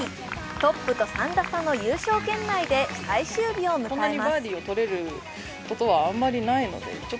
トップは３打差の優勝圏内で最終日を迎えます。